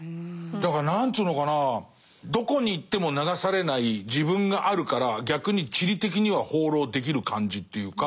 だから何つうのかなどこに行っても流されない自分があるから逆に地理的には放浪できる感じっていうか。